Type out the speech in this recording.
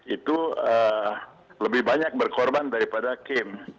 itu lebih banyak berkorban daripada kim